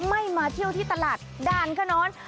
ไม่มาเที่ยวที่ตลาดด่านขนอน